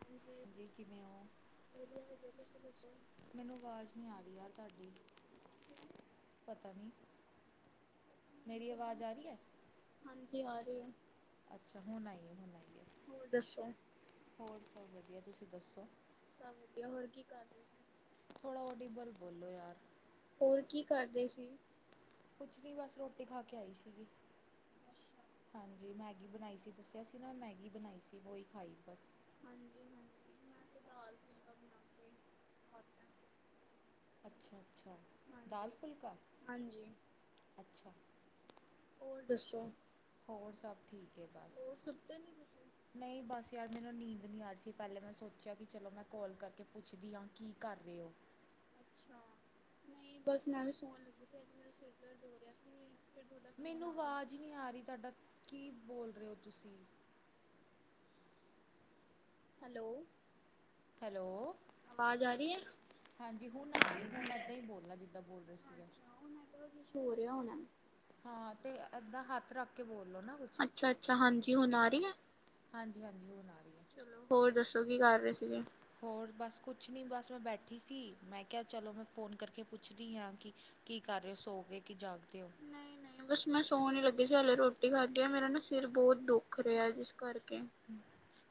ਹਾਂਜੀ ਜੀ ਕਿਵੇਂ ਉਹ ਵਧੀਆ ਵਧੀਆ ਤੁਸੀਂ ਦੱਸੋ ਮੈਨੂੰ ਆਵਾਜ਼ ਨੀ ਆ ਰਹੀ ਯਾਰ ਤੁਹਾਡੀ ਪਤਾ ਨੀ। ਮੇਰੀ ਆਵਾਜ਼ ਆ ਰਹੀ ਹੈ। ਹਾਂਜੀ ਆ ਰਹੀ ਆ ਅੱਛਾ! ਹੁਣ ਆਈ ਆ ਹੁਣ ਆਈ। ਹੋਰ ਦੱਸੋ ਹੋਰ ਸਭ ਵਧੀਆ ਤੁਸੀਂ ਦੱਸੋ? ਸਭ ਵਧੀਆ ਹੋਰ ਕੀ ਕਰ ਰਹੇ ਤੁਸੀਂ ਥੋੜਾ ਓਡੀਵਲ ਬੋਲੋ ਯਾਰ ਹੋਰ ਕੀ ਕਰਦੀ ਸੀ? ਕੁਛ ਨਹੀਂ ਬਸ ਰੋਟੀ ਖਾ ਕੇ ਆਈ ਸੀ ਗੀ। ਅੱਛਾ ਹਾਂਜੀ ਮੈਂ ਵੀ। ਮੈਗੀ ਬਣਾਈ ਸੀ ਦੱਸਿਆ ਸੀ, ਨਾ ਮੈਂ ਮੈਗੀ ਬਣਾਈ ਸੀ ਉਹੀ ਖਾਈ ਹੈ। ਬਸ ਹਾਂਜੀ- ਹਾਂਜੀ ਮੈਂ ਤਾਂ ਦਾਲ ਫੁਲਕਾ ਬਣਾ ਕੇ ਖਾਧਾ। ਅੱਛਾ- ਅੱਛਾ ਦਾਲ ਹਾਂਜੀ ਫੁਲਕਾ ਹਾਂਜੀ ਅੱਛਾ! ਹੋਰ ਦੱਸੋ? ਹੋਰ ਸਭ ਠੀਕ। ਹੋਰ ਸੁੱਤੇ ਨੀ ਤੁਸੀਂ ਨਹੀਂ ਬਸ ਯਾਰ ਮੈਨੂੰ ਨੀਂਦ ਨੀ ਆ ਰਹੀ ਸੀ। ਪਹਿਲੇ ਮੈਂ ਸੋਚਿਆ ਕਿ ਚਲੋ ਮੈਂ ਕੌਲ ਕਰਕੇ ਪੁੱਛਦੀ ਹਾਂ ਕੀ ਕਰ ਰਹੇ ਹੋ। ਅੱਛਾ, ਨਹੀਂ ਬਸ ਵੀ ਸੋਣ ਲੱਗੀ ਸੀ, ਅੱਜ ਮੇਰਾ ਸਿਰ ਦਰਦ ਹੋ ਰਿਹਾ ਸੀ। ਫਿਰ ਤੁਹਾਡਾ ਫੋਨ ਮੈਨੂੰ ਆ ਗਿਆ ਆਵਾਜ਼ ਨਹੀਂ ਆ ਰਹੀ ਤੁਹਾਡਾ, ਕੀ ਬੋਲ ਰਹੇ ਹੋ ਤੁਸੀਂ। Hello hello. ਆਵਾਜ਼ ਆ ਰਹੀ ਹੈ ਹਾਂਜੀ ਹੁਣ ਆ ਰਹੀ ਐ। ਹੁਣ ਏਦਾਂ ਹੀ ਬੋਲਣਾ ਜਿੱਦਾਂ ਬੋਲ ਰਹੇ ਸੀਗੇ। ਪਿਆ ਹੋਣਾ। ਹਾਂ, ਤੇ ਏਦਾਂ ਹੱਥ ਰੱਖ ਕੇ ਬੋਲ ਲਓ ਨਾ ਕੁਛ ਅੱਛਾ -ਅੱਛਾ ਹਾਂਜੀ ਹੁਣ ਆ ਰਹੀ ਹੈ? ਹਾਂਜੀ -ਹਾਂਜੀ ਹੁਣ ਆ ਰਹੀ ਹੈ। ਚਲੋ, ਹੋਰ ਦੱਸੋ ਕੀ ਕਰ ਰਹੇ ਸੀਗੇ। ਹੋਰ ਬਸ ਕੁਛ ਨੀ ਬਸ ਮੈਂ ਬੈਠੀ ਸੀ, ਮੈਂ ਕਿਹਾ ਚਲੋ ਮੈਂ ਫੋਨ ਕਰਕੇ ਪੁੱਛਦੀ ਹਾਂ, ਕਿ ਕੀ ਕਰ ਰਹੇ ਹੋ, ਸੋ ਗਏ ਕੇ ਜਾਗਦੇ। ਹੋ ਨਹੀਂ ਨਹੀਂ ਬਸ ਮੈਂ ਸੌਣ ਲੱਗੀ ਸੀ ਹਲੇੇ ਰੋਟੀ ਖਾਧੀ ਆ, ਮੇਰਾ ਨਾ ਸਿਰ ਬਹੁਤ ਦੁੱਖ ਰਿਹਾ, ਜਿਸ ਕਰਕੇ। ਹੂੰ।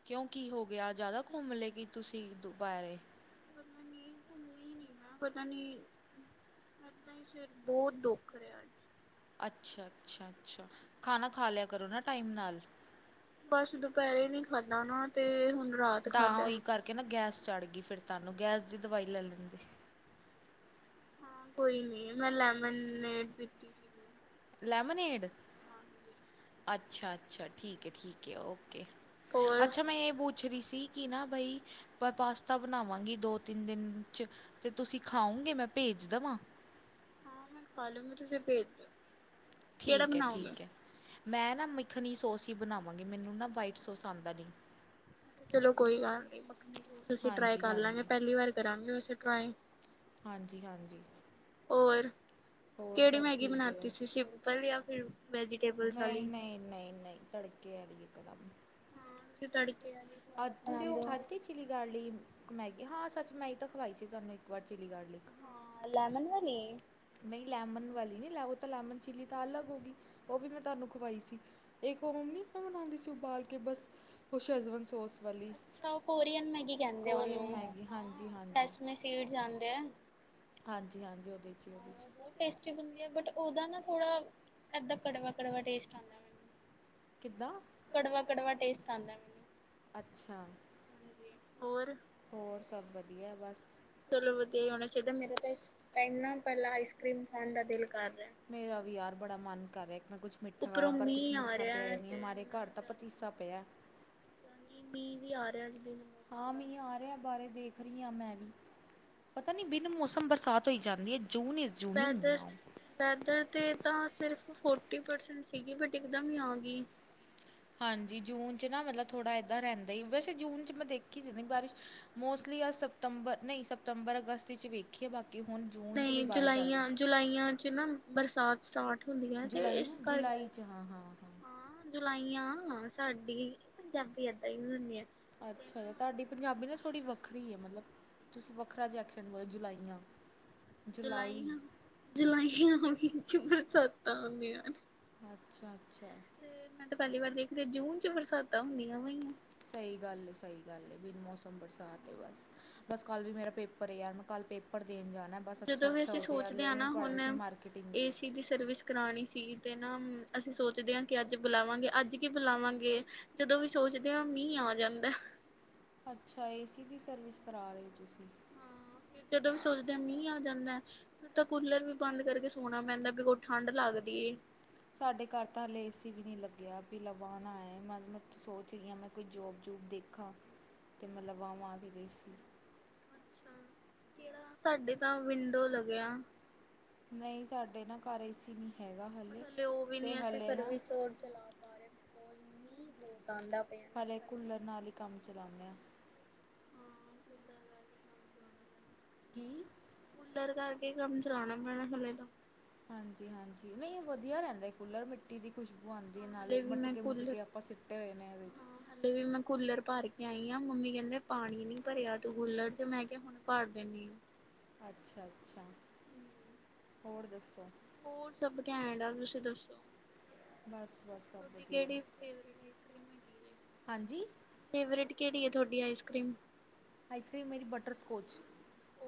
ਕਿਉਂ ਕੀ ਹੋ ਗਿਆ ਜ਼ਿਆਦਾ ਘੁੰਮ ਲਏ ਕਿ ਤੁਸੀਂ, ਦੁਪਹਿਰੇ। ਪਤਾ ਨੀ ਘੁੰਮੀ ਨੀ ਮੈਂ ਪਤਾ ਨੀ, ਐਦਾਂ ਹੀ ਸਿਰ ਬਹੁਤ ਦੁੱਖ ਰਿਹਾ ਅੱਜ। ਅੱਛਾ ਅੱਛਾ ਅੱਛਾ ਖਾਣਾ ਖਾ ਲਿਆ ਕਰੋ ਨਾ ਟਾਈਮ ਨਾਲ। ਬਸ ਦੁਪਹਿਰੇ ਨੀ ਖਾਧਾ ਨਾ, ਤੇ ਹੁਣ। ਰਾਤ ਤਾਂ ਖਾਧਾ ਉਹੀ ਕਰਕੇ ਨਾ ਗੈਸ ਚੜ ਗਈ ਫਿਰ। ਤੁਹਾਨੂੰ, ਗੈਸ ਦੀ ਦਵਾਈ ਲੈ ਲੈਂਦੇ। ਹਾਂ ਕੋਈ ਨੀ, ਮੈਂ ਲੈਮਨੇਡ ਪੀਤੀ ਸੀ। ਲੈਮਨੇਡ ਅੱਛਾ। ਅੱਛਾ ਠੀਕ ਹੈ, ਠੀਕ ਹੈ, ਔਕੇ। ਔਕੇ ਹੋਰ ਅੱਛਾ ਮੈਂ ਇਹ ਪੂਛ ਰਹੀ ਸੀ ਕੀ ਨਾ ਬਈ ਪਾਸਤਾ ਬਣਾਵਾਂਗੀ ਦੋ ਤਿੰਨ ਦਿਨ ਚ, ਤੇ ਤੁਸੀਂ ਖਾਓਗੇ ਮੈਂ ਭੇਜ ਦੇਵਾਂ। ਹਾਂ ਮੈਂ ਖਾ ਲਉ ਗਈ, ਤੁਸੀਂ ਭੇਜ ਦੇਯੋ। ਠੀਕ ਹੈ ਠੀਕ ਹੈ। ਮੈਂ ਨਾ ਮੱਖਣੀ ਸੋਸ ਹੀ ਬਣਾਵਾਂਗੀ ਮੈਨੂੰ ਨਾ ਵਾਈਟ ਸੋਸ ਆਉਂਦਾ ਨਹੀਂ। ਹਾਂਜੀ ਚਲੋ ਕੋਈ ਗੱਲ ਨੀ, ਮੱਖਣੀ ਸੋਸ ਅਸੀਂ ਟਰਾਈ ਹਾਂਜੀ ਕਰ ਲਾਂਗੇ ਹਾਂਜੀ ਪਹਿਲੀ ਵਾਰ ਕਰਾਂਗੇ। ਸਿਖਾਈ। ਹਾਂਜੀ ਹਾਂਜੀ। ਹੋਰ। ਹੋਰ ਕਿਹੜੀ ਸਭ ਮੈਗੀ ਠੀਕ ਹੈ ਬਣਾਤੀ ਸੀ ਬਸ ਸ਼ਿਪਲ ਯਾ ਮਿਆਉਂ। ਨਹੀਂ ਨਹੀਂ ਨਹੀਂ ਨਹੀਂ ਤੜਕੇ ਵਾਲੀ ਇਕਦਮ। ਹਾਂ ਤੜਕੇ। ਵਾਲੀ ਸਵਾਦ ਹਾਂਜੀ ਤੁਸੀਂ ਉਹ ਬਣਾਉਂਦੇ ਹੋ। ਖਾਧੀ ਚਿਲੀ ਕਰ ਲਈ ਮੈਗੀ ਹਾਂ ਸੱਚ ਮੈਂਗੀ ਤਾਂ ਖਵਾਈ ਸੀ ਤੁਹਾਨੂੰ ਇੱਕ ਵਾਰ ਚਿਲੀ ਕਰ ਲਈ। ਹਾਂ ਲੈਮਨ ਵਾਲੀ। ਨਹੀਂ ਲੈਮਨ ਵਾਲੀ ਨਹੀਂ ਲੈ ਤਾਂ ਲੈਮਨ ਚਿੱਲੀ ਤਾਂ ਅਲਗ [inaudible] ਇੱਕ ਹੋਮ ਨਹੀਂ ਮੈਂ ਬਣਾਉਂਦੀ ਸੀ ਉਬਾਲ ਕੇ ਬਸ ਉਹ ਸ਼ੈਜ਼ਵਾਨ ਸੌਸ ਵਾਲੀ ਅੱਛਾ ਉਹ ਕੋਰੀਅਨ ਕਹਿੰਦੇ ਆ ਉਹਨੂੰ ਕੋਰੀਅਨ ਹਾਂ ਮੈਗੀ ਹਾਂਜੀ ਹਾਂਜੀ ਜਾਂਦੇ ਆ ਹਾਂਜੀ ਹਾਂਜੀ ਉਹਦੇ 'ਚ ਉਹਦੇ 'ਚ ਉਹ ਬਹੁਤ ਟੇਸਟੀ ਟਸਟੀ ਬਣਦੀ। ਹੈ ਬਟ ਉਹਦਾ ਨਾ ਥੋੜਾ। ਏਦਾਂ ਕੜਵਾ ਕੜਵਾ ਟੇਸਟ ਆਉਂਦਾ ਮੈਨੂੰ। ਕਿੱਦਾਂ ਕੜਵਾ ਕੜਵਾ ਟੇਸਟ ਆਉਂਦਾ ਮੈਨੂੰ ਅੱਛਾ ਹਾਂਜੀ ਹੋਰ। ਹੋਰ ਸਭ ਵਧੀਆ ਬਸ। ਚਲੋ ਵਧੀਆ ਹੀ ਹੋਣਾ ਚਾਹੀਦਾ ਮੇਰਾ ਤਾਂ ਇਸ ਟਾਈਮ ਨਾ ਪਹਿਲਾਂ ਆਈਸ ਕਰ੍ਰੀਮ ਖਾਣ ਦਾ ਦਿਲ ਕਰਦਾ। ਮੇਰਾ ਵੀ ਯਾਰ ਬੜਾ ਮਨ ਕਰ ਰਿਹਾ। ਮੈਂ ਕੁੱਛ ਮਿੱਠਾ ਉੱਪਰੋਂ ਪਰ ਕੁੱਛ ਮੀਂਹ ਆ ਮਿੱਠਾ ਰਿਹਾ ਪਿਆ ਹੀ ਹੈ ਨਹੀਂ, ਤੇ ਹਮਾਰੇ ਘਰ ਇੰਨਾ ਤਾਂ ਜ਼ਿਆਦਾ ਪਤੀਸਾ ਪਿਆ। ਮੀਂਹ ਵੀ ਆ ਰਿਹਾ। ਬਿਨ ਮੌਸਮ ਹਾਂ ਦਾ ਮੀਂਹ ਆ ਰਿਹਾ, ਬਾਹਰ ਦੇਖ ਰਹੀ ਹਾਂ ਮੈਂ ਵੀ। ਪਤਾ ਨੀ ਬਿਨ ਮੌਸਮ ਬਰਸਾਤ ਧੋਈ ਜਾਂਦੀ ਏ। ਵੈਦਰ ਵੈਦਰ ਤੇ ਤਾਂ ਸਿਰਫ ਫੋਰਟੀ ਪਰਸੈਂਟ ਸੀਗੀ ਬਟ ਇੱਕਦਮ ਹੀ ਆ ਗਈ। ਹਾਂਜੀ ਜੂਨ ਚ ਨਾ ਮਤਲਬ ਥੋੜ੍ਹਾ ਏਦਾਂ ਰਹਿੰਦਾ ਵੈਸੇ ਜੂਨ ਚ ਮੈਂ ਦੇਖੀ ਸੀ ਬਾਰਿਸ਼, ਮੋਸਟਲੀ ਅ ਸਤੰਬਰ ਨਹੀਂ ਸਤੰਬਰ, ਅਗਸਤ ਵਿੱਚ ਵੇਖੀਏ ਬਾਕੀ ਹੁਣ ਜੂਨ 'ਚ ਵੀ ਨਹੀਂ ਬਾਰਿਸ਼ ਆ ਗਈ ਜੁਲਾਈਆਂ, ਜੁਲਾਈਆਂ ਚ ਨਾ ਬਰਸਾਤ ਸਟਾਰਟ। ਹੁੰਦੀਆ ਤੇ ਜੁਲਾਈ ਆ ਇਸ ਕਰ ਜੁਲਾਈ 'ਚ ਹਾਂ ਹਾਂ ਹਾਂ ਜੁਲਾਈ। ਹਾ ਸਾਡੀ ਪੰਜਾਬੀ ਏਦਾਂ ਹੀ ਹੁੰਦੀ ਆ। ਅੱਛਾ, ਤੁਹਾਡੀ ਪੰਜਾਬੀ ਨਾ ਥੋੜ੍ਹੀ ਵੱਖਰੀ ਹੈ ਮਤਲਬ, ਤੁਸੀਂ ਵੱਖਰਾ ਜਿਹਾ ਅਕਸ਼ਰ ਬੋਲੋ ਜੁਲਾਈਆਂ। ਜੁਲਾਈ ਜੁਲਾਈਆਂ ਜੁਲਾਈਆਂ ਚ ਬਰਸਾਤਾਂ ਹੁੰਦੀਆਂ ਨੇ। ਅੱਛਾ, ਅੱਛਾ। ਤੇ ਮੈਂ ਤਾਂ ਪਹਿਲੀ ਵਾਰ ਦੇਖਦੀ ਜੂਨ ਚ ਬਰਸਾਤਾਂ ਹੁੰਦੀਆਂ ਪਈਆਂ। ਸਹੀ ਗੱਲ, ਸਹੀ ਗੱਲ ਬਿਨ ਮੌਸਮ ਬਰਸਾਤ ਬਸ, ਬਸ ਕੱਲ ਵੀ ਮੇਰਾ ਪੇਪਰ ਹੈ, ਯਾਰ ਮੈਂ ਕੱਲ ਪੇਪਰ ਦੇਣ ਜਾਣਾ। ਬਸ ਅੱਛਾ ਜਦੋਂ ਵੀ ਅੱਛਾ ਅਸੀਂ ਹੋ ਜਾਏ ਸੋਚਦੇ ਹਲੇ ਹਾਂ ਵੀ ਮੈਂ ਨਾ, ਪੜ੍ਹ ਰਹੀ ਹੁਣ ਸੀ ਮਾਰਕੀਟਿੰਗ ਏ ਸੀ ਦੀ ਸਰਵਿਸ ਕਰਾਣੀ ਸੀਗੀ। ਤੇ ਨਾ ਅਸੀਂ ਸੋਚਦੇ ਹਾਂ ਕਿ ਅੱਜ ਬੁਲਾਵਾਂਗੇ, ਅੱਜ ਕੀ ਬੁਲਾਵਾਂਗੇ, ਜਦੋਂ ਵੀ ਸੋਚਦੇ ਹਾਂ ਮੀਂਹ ਆ ਜਾਂਦਾ। ਅੱਛਾ ਏ ਸੀ ਦੀ ਸਰਵਿਸ ਕਰਾ ਰਹੇ ਤੁਸੀਂ। ਹਾਂ ਫਿਰ ਜਦੋਂ ਵੀ ਸੋਚਦੇ ਆ ਮੀਂਹ ਆ ਜਾਂਦਾ, ਫਿਰ ਤਾਂ ਕੂਲਰ ਵੀ ਬੰਦ ਕਰਕੇ ਸੋਣਾ ਪੈਂਦਾ, ਕਿਉ ਠੰਢ ਲੱਗਦੀ ਏ। ਸਾਡੇ ਘਰ ਤਾਂ ਹਲੇ ਏ ਸੀ ਵੀ ਨਹੀਂ ਲੱਗਾ। ਮੈਂ ਵੀ ਲਵਾਉਣਾ ਏ, ਮੈਂ ਸੋਚ ਰਹੀ ਹਾਂ, ਮੈਂ ਕੋਈ ਜੋਬ ਜੂਬ ਦੇਖਾਂ ਅਤੇ ਮੈਂ ਲਵਾਵਾਂ ਏ ਸੀ। ਅੱਛਾ, ਕਿਹੜਾ ਸਾਡੇ ਤਾਂ ਵਿੰਡੋ ਲੱਗਿਆ। ਨਹੀਂ ਸਾਡੇ ਨਾ ਘਰ ਏ ਸੀ ਨੀ। ਤੇ ਉਹ ਵੀ ਨੀ ਅਸੀਂ ਸਰਵਿਸ ਹੋਰ ਚਲਾ ਪਾ ਰਹੇ। ਬਿਕੋਜ ਮੀਂਹ ਬਹੁਤ ਆਉਂਦਾ ਪਿਆ ਨਾ ਇਸ ਹਲੇੇ ਕਰਕੇ ਕੂਲਰ ਨਾਲ ਹੀ ਕੰਮ ਚਲਾਉਂਦੇ ਹਾਂ। ਹਾਂ, ਕੂਲਰ ਲਗਾ ਕੇ ਕੰਮ ਚਲਾਉਣਾ ਪੈਣਾ। ਕੀ ਕੂਲਰ ਕਰਕੇ ਕੰਮ ਚਲਾਉਣਾ ਪੈਣਾ ਹਾਲੇ ਤਾ। ਹਾਂਜੀ ਹਾਂਜੀ ਨਹੀਂ ਵਧੀਆ ਰਹਿੰਦਾ ਕੂਲਰ [unintelligible] ਖੁਸ਼ਬੂ ਆਉਂਦੀ ਹਾਂ ਹਲੇ ਨਾਲੇ ਵੀ ਮੈਂ ਮਟਕੇ ਕੂਲਰ ਮੁਟਕੇ ਆਪਾਂ ਸਿੱਟੇ ਹੋਏ ਨੇ ਇਹਦੇ ਚ ਪਈ ਆ ਮੰਮੀ ਕਹਿੰਦੇ ਪਾਣੀ ਨੀ ਭਰਿਆ ਤੂੰ ਕੂਲਰ ਚ ਮੈਂ ਕਿਹਾ ਹੁਣ ਭੜ ਦਿੰਦੀ ਆਾਂ। ਅੱਛਾ -ਅੱਛਾ ਹੋਰ ਦੱਸੋ? ਹੋਰ ਸਭ ਕੈਂਟ ਤੁਸੀਂ ਦੱਸੋ? ਬਸ ਬਸ ਸਭ ਹਾ ਵਧੀਆ ਕਿੜੀ ਫੇਵਰੇਟ ਆਈਸ ਕਰੀਮ ਹੈਗੀ ਜੈ, ਹਾਂਜੀ ਫੇਵਰੇਟ ਕਿਹੜੀ ਤੁਹਾਡੀ ਅਇਸ ਕਰੀਮ ਅ ਕ੍ਰਰੀਮ ਆਈਸਕ੍ਰੀਮ ਮੇਰੀ ਬਟਰ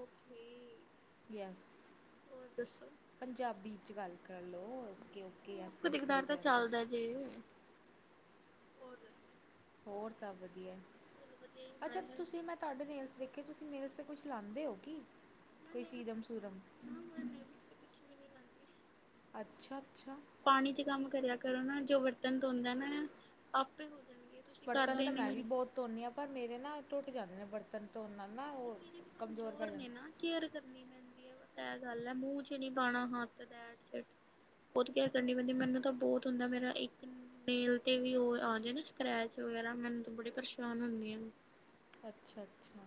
ਥੀ ਯਸ ਪੰਜਾਬੀ ਚ ਗੱਲ ਹੈਲੋ ਉਹ ਕਦੇ ਕਦਾਰ ਤਾਂ ਚੱਲਦਾ ਜੇ। ਹੋਰ ਦੱਸੋ? ਹੋਰ ਸਭ ਵਧੀਆ। ਚਲੋ ਵਧੀਆ ਹੀ ਹੋਣਾ ਅੱਛਾ ਤੁਸੀਂ ਚਾਹੀਦਾ ਮੈਂ ਤੁਹਾਡੇ ਨੇਲਸ ਦੇਖੇ ਤੁਸੀਂ ਨੈਲਸ ਤੇ ਕੁੱਛ ਲਾਦੇ ਹੋ ਕੀ ਕੋਈ ਨੈਲਸ ਸੀਰਮ ਸੂਰਮ ਨਾ ਮੈ, ਨੈਲਸ ਤੇ ਕੁਛ ਵੀ ਨਹੀਂ ਲਾਉਂਦੀ ਅੱਛਾ ਅੱਛਾ ਪਾਣੀ ਚ ਕੰਮ ਕਰਿਆ। ਕਰੋ ਨਾ ਜੋ ਬਰਤਨ ਧੋਂਂਦਾ ਨਾ ਆਪੇ ਜਾਣਗੇ ਤੁਸੀਂ ਬਰਤਨ ਕਰਦੇ ਤਾਂ ਨੀ ਮੈਂ ਵੀ ਤੇ ਬਹੁਤ ਧੋਦੀ ਹਾਂ ਪਰ ਮੇਰੇ ਨਾ ਟੁੱਟ ਜਾਂਦੇ ਨੇਲ ਬਰਤਨ ਧੋਨ ਨਾਲ। ਨਾ ਉਹ ਮੇਰੇ ਵੀ ਕਮਜ਼ੋਰ ਪੈ ਨੇ ਜਾਂਦੇ ਨਾ ਕੇਅਰ ਕਰਨੀ ਪੈਂਦੀ ਹੈ, ਬਸ। ਤ ਗੱਲ ਹੈ ਮੂੰਹ ਚ ਨੀ ਪਾਉਣਾ ਹੱਥ ਬਹੁਤ ਕੇਰ ਕਰਨੀ ਪੈਂਦੀ ਮੈਨੂੰ ਤਾਂ ਬਹੁਤ ਹੁੰਦਾ ਮੇਰਾ ਇੱਕ ਨੇਲ ਤੇ ਵੀ ਉਹ ਆ ਜਾ ਨਾ ਸਕ੍ਰੈਚ ਵਗੈਰਾ ਮੈਨੂੰ ਬੜੀ ਪਰੇਸ਼ਾਨ ਹੁੰਦੀ ਆ। ਅੱਛਾ ਅੱਛਾ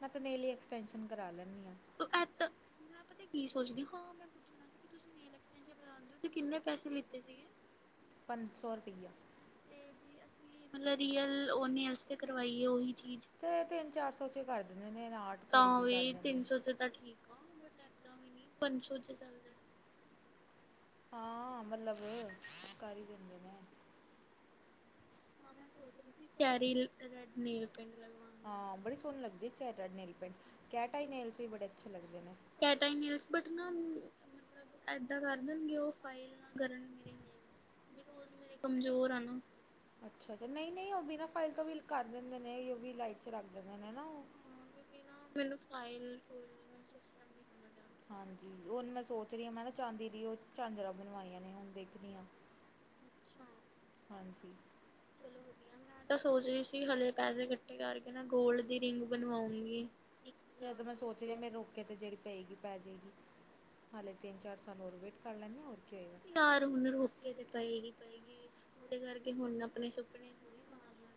ਮੈਂ ਤਨੇਲੀ ਐਕਸਟੈਂਸ਼ਨ ਕਰਾ ਲੈਂਦੀ ਹਾਂ। ਐ ਮੈਂ ਪਤਾ ਕੀ ਸੋਚਦੀ ਹਾਂ ਮੈਂ ਪੁੱਛਣਾ ਸੀ ਕਿ ਤੁਸੀਂ ਨੇਲ ਐਕਸਟੈਨਸ਼ਨ ਕਰਾਂਦੇ ਹੋ ਤੇ ਕਿੰਨੇ ਪੈਸੇ ਲਿੱਤੇ ਸੀਗੇ? ਪੰਜ ਸੌ ਰੁਪਈਆ। ਤੇ ਜੇ ਮਤਲਬ ਰੀਅਲ ਓਨੇ ਵਸਤੇ ਕਰਵਾਈਏ ਉਹੀ ਚੀਜ਼ ਤੇ ਤਿੰਨ ਚਾਰ ਸੌ ਚ ਕਰ ਦਿੰਦੇ ਨੇ ਆਰਟ ਥੋੜੀ ਤਾਂ ਜਿਹੀ ਕਰ ਵੀ ਦਿੰਦੇ। ਤਿੰਨ ਸੌ ਚ ਤਾਂ ਠੀਕ ਆ ਬਟ ਏਦਾਂ ਵੀ ਨੀ ਪੰਜ ਸੌ ਚ ਚੱਲ ਜਾਣ ਹਾਂ ਮਤਲਬ ਕਰ ਹੀ ਦਿੰਦੇ ਨੇ। ਹਾਂ ਮੈਂ ਸੋਚ ਰਹੀ ਸੀ ਚੈਰੀ ਰੈਡ ਨੇ ਹਾਂ ਬੜੇ ਸੋਹਣੇ ਲੱਗਦੇ ਚੈ nail paint cat eye nails ਵੀ ਬੜੇ ਅੱਛੇ ਲੱਗਦੇ ਨੇ। ਕੈਟਾਈ ਨੇਲਸ ਬਟ ਨਾ ਮਤਲਬ ਏਦਾਂ ਕਰ ਦੇਣਗੇ ਉਹ ਫਾਇਲ ਨਾ ਕਰਨ ਮੇ ਮੇ ਕਮਜ਼ੋਰ ਆ ਨਾ। ਅੱਛਾ ਤੇ ਨਹੀਂ ਨਹੀਂ ਉਹ ਵੀ ਬਿਨਾ ਫਾਈਲ ਤੋਂ ਵੀ ਕਰ ਦਿੰਦੇ ਨੇ ਯੂ ਵੀ ਲਾਈਟ ਰਗ ਜਾਂਦੇ ਨੇ ਨਾ ਉਹ ਹਾਂ ਕਿਉਂਕਿ ਨਾ ਮੈਨੂੰ ਫਾਈਲ ਫੁਲ ਸਿਸਟਮ ਸਮਝ ਆਉਂਦਾ ਹਾਂਜੀ ਉਹਣ ਮੈਂ ਸੋਚ ਰਹੀ ਹਾਂ ਮੈਂ ਨਾ ਚਾਂਦੀ ਦੀ ਉਹ ਝਾਂਜਰਾਂ ਬਣਵਾਈਆਂ ਨੇ ਹੁਣ ਦੇਖਦੀ ਹ ਅੱਛਾ ਚਲੋ ਵਧੀਆ। ਮੈਂ ਤਾਂ ਸੋਚ ਰਹੀ ਸੀ ਹਲੇੇ ਪੈਸੇ ਇਕੱਠੇ ਕਰਕੇ ਨਾ ਗੋਲਡ ਦੀ ਰਿੰਗ ਬਣਵਾਉਗੀ। ਫੇ ਤਾਂਮੈਂ ਸੋਚ ਰਿ ਮੇਰੇ ਰੋਕੇ ਤੇ ਜਿਹੜੀ ਪਏਗੀ ਪੈ ਜਾਏਗੀ ਹਲੇ ਤੀਨ ਚਾਰ ਸਾਲਹੋਰ ਵੇਟ ਕਰ ਲੈਨੇ ਹੋਰ ਕੀ ਹੋਏਗਾ ਯਾਰ ਹੁਣ ਰੋਕੇ ਤੇ ਪਏਗੀ ਪਏਗੀ ਉਹਦੇ ਕਰਕੇ ਹੁਣ ਆਪਣੇ ਸੁਪਨੇ ਥੋੜੇ ਮਾਰ ਲਾਂਗੇ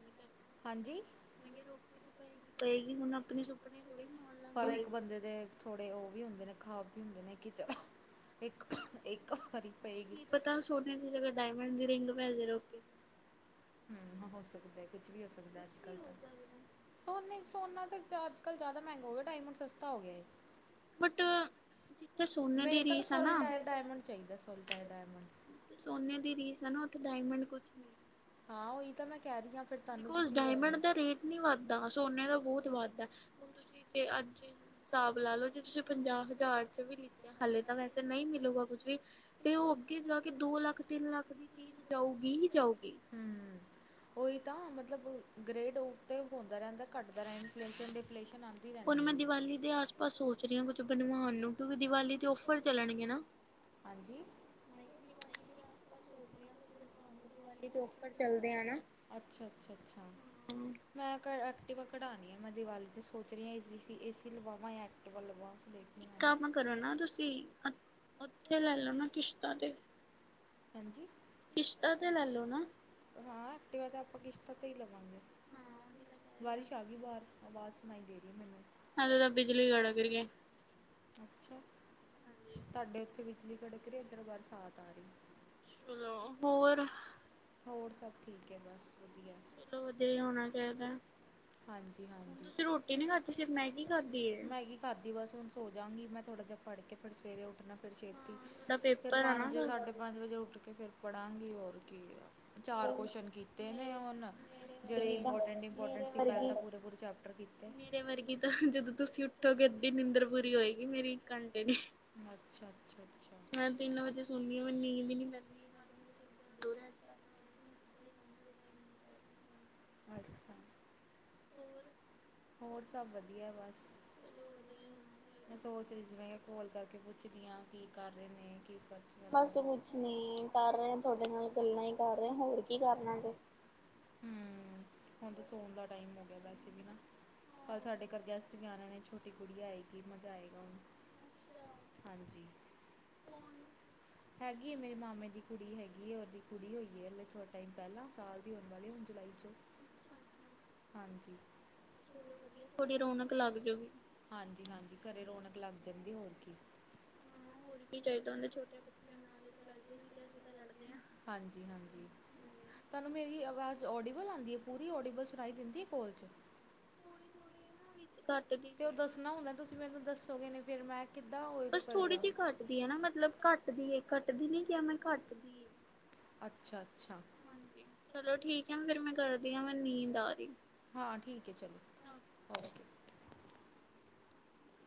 ਹਾਂਜੀ ਮ ਰੋਕੇ ਕੇ ਦੀ ਪਏਗੀ ਪਏਗੀ ਹੁਣ ਆਪਣੇ ਸੁਪਨੇ ਥੋੜ੍ਹੀ ਮਾਰ ਪਰ ਲਾਂਗੇ ਇੱਕ ਬੰਦੇ ਦੇ ਥੋੜੇ ਉਹ ਵੀ ਹੁੰਦੇ ਨੇ ਖ਼ਾਬ ਵੀ ਹੁੰਦੇ ਨੇ ਕ ਚ ਕੀ ਪਤਾ ਸੋਨਿਆਂ ਦੀ ਜਗਾ ਡਾਇਮੰਡ ਦੀ ਰਿੰਗ ਵੈ ਰੋਕੇ ਫ ਹਮ ਹੋ ਸਕਦਾ ਵੀ ਹੋ ਸਕਦਾ ਕੁਛ ਵੀ ਅੱਜਕੱਲ ਤਾਂ ਹੋ ਸਕਦਾ ਸੋਨੇ ਸੋਨਾ ਤੇ ਅੱਜ ਕੱਲ ਜ਼ਿਆਦਾ ਮਹਿੰਗਾ ਹੋ ਗਿਆ ਡਾਇਮੰਡ ਸਸਤਾ ਹੋ ਗਿਆ ਬਟ ਜਿੱਥੇ ਸੋਨੇ ਦੀ ਮੈਨੂੰ ਤਾਂ ਨਾ ਰੀਸ ਆ ਸੋਲੀਟਰ ਡਾਇਮੰਡ ਚਾਹੀਦਾ ਸੋਲੀਟਰ ਡਾਇਮੰਡ ਜਿੱਥੇ ਸੋਨੇ ਦੀ ਰੀਸ ਆ ਨਾ ਉੱਥੇ ਡਾਇਮੰਡ ਕੁਛ ਨੀ ਹੈ ਹਾਂ ਉਹੀ ਤਾਂ ਮੈਂ ਕਹਿ ਰਹੀ ਹਾਂ ਫਿਰ ਤਾਂ ਬਾਕਾਉਜ਼ ਡਾਇਮੰਡ ਦਾ ਰੇਟ ਨੀ ਵੱਧਦਾ ਸੋਨੇ ਦਾ ਬਹੁਤ ਵੱਧਦਾ ਹੁਣ ਤੁਸੀਂ ਜ ਅੱਜ ਹਿਸਾਬ ਲਾ ਲਓ ਜੇ ਤੁਸੀਂ ਪੰਜਾਹ ਹਜ਼ਾਰ ਚ ਵੀ ਲਿੱਤੇ ਹਾਲੇ ਤਾਂ ਵੈਸੇ ਨਹੀਂ ਮਿਲੂਗਾ ਕੁਝ ਵੀ ਤੇ ਉਹ ਅੱਗੇ ਜਾ ਕੇ ਦੋ ਲੱਖ ਤਿੰਨ ਲੱਖ ਦੀ ਚੀਜ਼ ਜਾਊਗੀ ਹੀ ਜਾਊਗੀ [unintelligible] ਹਮ ਉਹੀ ਤਾਂ ਮਤ ਮਤਲਬ ਗ੍ਰੇਡ ਆਊਟ ਤੇ ਹੁੰਦਾ ਰਹਿੰਦਾ ਘੱਟਦਾ ਰਹਿੰ ਹੁਣ ਮੈਂ ਦੀਵਾਲੀ ਦੇ ਆਸ ਪਾਸ ਸੋਚ ਰਹੀ ਹਾਂ ਕੁ ਬਣਵਾਉਣ ਨੂੰ ਕਿਉਂਕਿ ਦੀਵਾਲੀ ਤੇ ਓਫਰ ਚੱਲਣਗੇ ਨਾ ਹਾਂਜੀ ਨਹੀਂ ਹੈ ਦੀਵਾਲੀ ਮਰੇ ਆਸ ਪਾਸ ਸੋਚ ਰਹੀਆਂ ਕੁਝ ਬਣਵਾਉਣ ਨੂੰ ਦੀਵਾਲੀ ਤੋਂ ਔਫਰ ਚੱਲਦੇ ਆ ਨਾ ਅੱਛਾ ਅੱਛਾ ਅੱਛਾ ਮੈਂ ਕ ਐਕਟਿਵਾ ਕਢਾਉਣੀ ਹੈ ਮੈਂ ਦੀਵਾਲੀ ' ਸੋਚ ਰਹੀ ਆਂ ਏਸੀ ਲਵਾਵਾਂ ਜਾਂ ਐਕਟਿਵਾ ਲਵਾਂ ਦੇਖਦੀ ਇੱਕ ਹਾਂ ਕੰਮ ਕਰੋ ਨਾ ਤੁਸੀਂ ਉੱਥੇ ਲੈ ਲੋ ਨਾ ਕਿਸ਼ਤਾਂ ਤੇ ਹਾਂਜੀ ਕਿਸ਼ਤਾਂ ਤੇ ਲੈ ਲਓ ਨਾ ਹਾਂ ਐਕਟਿਵਾ ਤੇ ਆਪਾਂ [unintelligible] ਲਵਾਂਗੇ ਹਾਂ ਉਹੀ ਤਾਂ ਕਹਿ ਰਹੀ ਹਾਂ ਬਾਰਿਸ਼ ਆ ਗਈ ਵਾਰ ਆਵਾਜ਼ ਸੁਣਾਈ ਦੇ ਰਹੀ ਮੈਨੂੰ ਅਜ ਤਾਂ ਬਿਜਲੀ ਗੜਗ ਰਹੀ ਏ ਅੱਛਾ ਤੁਹਾਡੇ ਉੱਥੇ ਬਿਜਲੀ ਕੜਕ ਰਹੀ ਬਰਸਾਤ ਆ ਰਹੀ ਚਲੋ ਹੋਰ ਹੋਰ ਸਭ ਠੀਕ ਹੈ ਬਸ ਵਧੀਆ ਚਲੋ ਵਧੀਆ ਹੋਣਾ ਚਾਹੀਦਾ ਹਾਂਜੀ ਹੁਣ ਹਾਂਜੀ ਤੁਸੀਂ ਰੋਟੀ ਨੀ ਖਾਧੀ ਸਿਰਫ ਮੈਗੀ ਖਾਧੀ ਏ ਮੈਗੀ ਖਾਧੀ ਬਸ ਹੁਣ ਸੋ ਜਾਾਂਗੀ ਮੈਂ ਥੋੜਾ ਪੜ ਕੇ ਸਵੇਰੇ ਉੱਠਣਾ ਫਿਰ ਛੇਤੀ ਹਾਂ ਤੁਹਾਡਾ ਫਿਰ ਪੇਪਰ ਆ ਨਾ ਪੰਜ ਕੱਲ ਸਾਢੇ ਪੰਜ ਵਜੇ ਉੱਠ ਕੇ ਫਿਰ ਪੜਾਂਗੇ ਕੀ ਹੋਰ ਕੀ ਚਾਰ ਕੁਛ ਕੀਤੇ ਨੇ ਹੁਣ ਜਿਹੜੇ ਇੰਪੋਰਟੈਂਟ ਇੰਪੋਰਟੈਂਟ ਸੀ ਪਹਿਲਾਂ ਤਾਂ ਪੂਰੇ ਪੂਰੇ ਚੈਪਟਰ ਕੀਤੇ ਮੇਰੇ ਵਰਗੀ ਤਾਂ ਜਦੋਂ ਤੁਸੀਂ ਉਠੋਗੇ ਅੱਧੀ ਨਿੰਦਰ ਪੂਰੀ ਹੋਏਗੀ ਮੇਰੀ ਅੱਛਾ ਅੱਛਾ ਅੱਛਾ ਮੈਂ ਤਿੰਨ ਵਜੇ ਸੋਂਦੀ ਆ ਮੈਂਨੂੰ ਨੀਂਦ ਹੀ ਨੀ ਪੈਂਦੀ [unintelligible] ਰਿਹਾ ਕਿ ਮੈਂ ਜਿੱਦਾਂ ਹੀ [unintelligible] ਹੋਰ ਹੋਰ ਸਭ ਵਧੀਆ ਬਸ ਓਦਾਂ ਹੀ ਨੀਂਦ ਪੈ ਜਾਏਗੀ ਮੈਨੂੰ ਚਲੋ ਵਧੀਆ ਹੀ ਹੋਣਾ ਚਾਹੀਦਾ ਮੈਂ ਸੋਚ ਰਹੀ ਜਿਵੇਂ ਕਿਹਾ ਕੋਲ ਕਰ ਕਿ ਪੁੱਛਦੀ ਹਾਂ ਕੀ ਕਰ ਰਹੇ ਨੇ ਕੀ ਕਰਨਾ ਬਸ ਕੁਛ ਨੀ ਕਰ ਰਹੇ ਤੁਹਾਡੇ ਨਾਲ ਗੱਲਾਂ ਹੀ ਕਰ ਰਹੇ ਹੋਰ ਕੀ ਕਰਨਾ ਜੇ ਹਮ ਹੁਣ ਸੋਣ ਦਾ ਟਾਈਮ ਹੈ [unintelligible] ਕੱਲ ਹਾਂ ਸਾਡੇ ਘਰ ਗੈਸਟ ਵੀ ਆਣੇ ਨੇ ਛ ਛੋਟੀ ਕੁੜੀ ਆਏਗੀ ਮਜ਼ਾ ਆਏਗਾ ਹੁਣ ਅੱਛਾ ਹਾਂਜੀ ਕੌਣ ਹੈਗੀ ਮੇਰੇ ਮਾਮੇ ਦੀ ਕੁੜੀ ਹੈਗੀ ਇਹ ਉਹਦੀ ਕੁੜੀ ਹੋਈ ਹੈ ਐੇ ਥੋੜ੍ਹਾ ਟਾਈਮ ਪਹਿਲਾਂ ਸਾਲ ਦੀ ਹੋਣ ਵਾਲੀ ਹੁਣ ਜੁਲਾਈ ਚ ਅੱਛਾ ਅੱਛਾ ਹਾਂਜੀ ਚਲੋ ਵਧੀਆ ਥੋੜੀ ਰੌਣਕ ਲੱਗ ਜਾਊਗੀ ਹਾਂਜੀ ਹਾਂਜੀ ਘਰੇ ਰੌਣਕ ਲੱਗ ਜਾਂਦੀ ਹੋਰ ਕੀ ਹਾਂ ਹੋਰ ਚਾਹੀਦਾ ਉਹਦੇ ਛੋਟੇ ਬੱਚਿਆਂ ਨਾਲ ਹੀ ਤਾਂ ਲਗਦੇ ਨੇ ਤੇ ਅਸੀਂ ਤਾਂ ਲੜਦੇ ਹਾਂ। ਹਾਂਜੀ ਹਾਂਜੀ ਤੁਹਾਨੂੰ ਮੇਰੀ ਆਵਾਜ਼ ਓਡੀਬਲ ਆਉਂਦੀ ਹੈ ਪੂਰੀ ਓਡੀਬਲ ਸੁਣਾਈ ਦਿੰਦੀ ਹੈ ਕੋਲ 'ਚ ਥੋੜੀ ਥੋੜੀ ਨਾ ਵਿੱਚ ਘੱਟਦੀ ਤੇ ਉਹ ਜੇ ਦੱਸਣਾ ਹੁੰਦਾ ਤੁਸੀਂ ਮੈਨੂੰ ਦੱਸੋਗੇ ਨ ਫੇਿਰ ਮੈਂ ਕਿੱਦਾਂ ਉਹ ਬਸ ਥੋੜ੍ਹੀ ਕਰੇਗਾ ਜਿਹੀ ਘੱਟਦੀ ਹੈ ਨਾ ਮਤਲਬ ਘੱਟਦੀ ਕੱਦੀਨੀ ਕਿਹਾ ਮੈਂ ਘੱਟਦੀ ਏ ਅੱਛਾ ਅੱਛਾ ਚਲੋ ਠੀਕ ਹੈ ਫੇਿਰ ਮੈਂ ਕਰਦੀ ਹਾਂ ਮੈਂ ਨੀਂਦ ਆ ਰਹੀ ਹਾਂ ਠੀਕ ਹੈ ਚਲੋ ਓਕੇ ਓਕੇ